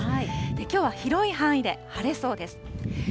きょうは広い範囲で晴れそうです。